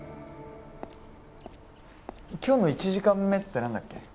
今日の１時間目って何だっけ？